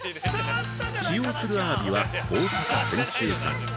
使用するアワビは、大阪泉州産。